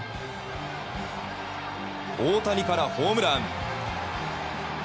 大谷からホームラン！